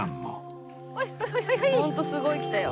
ホントすごい来たよ。